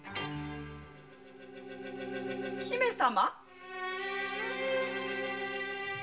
姫様？